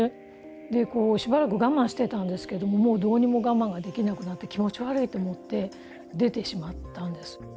でこうしばらく我慢してたんですけどもうどうにも我慢ができなくなって気持ち悪いと思って出てしまったんです。